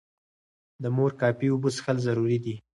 د مور کافي اوبه څښل ضروري دي.